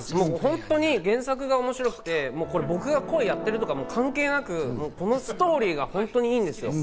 本当に原作が面白くて、僕が声やってるとか関係なく、ストーリーが本当にいいんです。